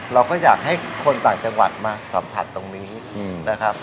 เราก็อยากให้คนต่างจังหวัดมาสัมผัสตรงนี้นะครับ